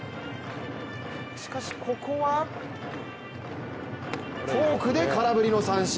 しかしここはフォークで空振りの三振。